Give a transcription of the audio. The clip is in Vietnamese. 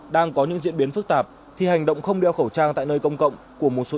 đang có những diễn biến phức tạp thì hành động không đeo khẩu trang tại nơi công cộng của một số